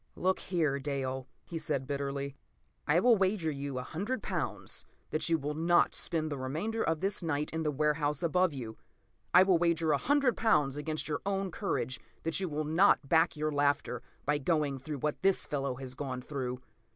p> "Look here, Dale," he said bitterly, "I will wager you a hundred pounds that you will not spend the remainder of this night in the warehouse above you! I will wager a hundred pounds against your own courage that you will not back your laughter by going through what this fellow has gone through.